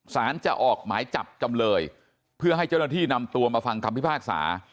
สารจะออกหมายจับจำเลยเพื่อให้เจ้าหน้าที่นำตัวมาฟังคำพิพากษา